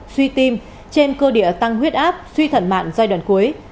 suy tim trên cơ địa tăng huyết áp suy thận mạng giai đoạn cuối